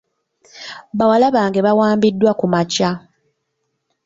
Bawala bange baawambiddwa kumakya.